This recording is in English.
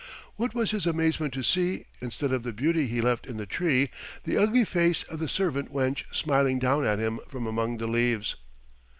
What was his amazement to see, instead of the beauty he left in the tree, the ugly face of the servant wench smiling down at him from among the leaves.